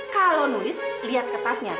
kalau nulis liat kertasnya